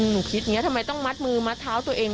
หนูคิดอย่างนี้ทำไมต้องมัดมือมัดเท้าตัวเอง